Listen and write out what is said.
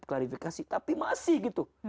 klarifikasi tapi masih gitu